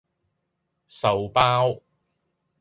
壽包